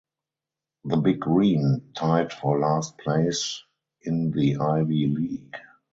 The Big Green tied for last place in the Ivy League.